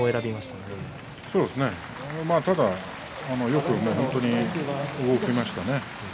ただよく動きましたね。